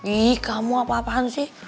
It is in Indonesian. eh kamu apa apaan sih